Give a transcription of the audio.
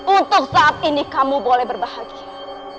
untuk saat ini kamu boleh berbahagia